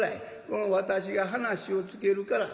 この私が話をつけるから」。